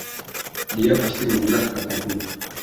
“Dia pasti melunak,” kataku.